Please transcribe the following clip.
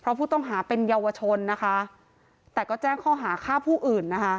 เพราะผู้ต้องหาเป็นเยาวชนนะคะแต่ก็แจ้งข้อหาฆ่าผู้อื่นนะคะ